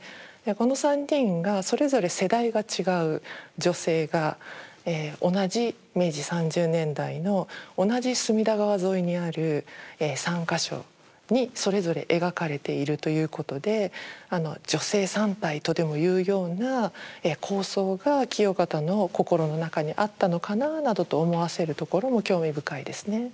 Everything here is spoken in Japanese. この３人がそれぞれ世代が違う女性が同じ明治３０年代の同じ隅田川沿いにある３か所にそれぞれ描かれているということで女性３体とでもいうような構想が清方の心の中にあったのかななどと思わせるところも興味深いですね。